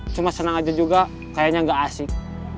cuma senang aja juga kayaknya nggak asik